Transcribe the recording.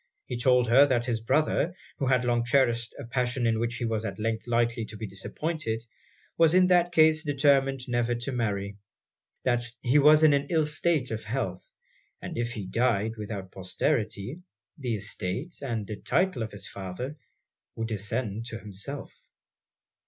He told her that his brother, who had long cherished a passion in which he was at length likely to be disappointed, was in that case determined never to marry; that he was in an ill state of health; and if he died without posterity, the estate and title of his father would descend to himself.